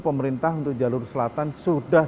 pemerintah untuk jalur selatan sudah